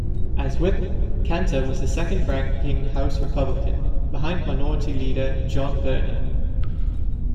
As Whip, Cantor was the second-ranking House Republican, behind Minority Leader John Boehner.